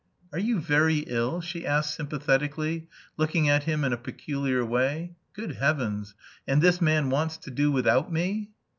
"Are you very ill?" she asked sympathetically, looking at him in a peculiar way. "Good heavens! And this man wants to do without me!"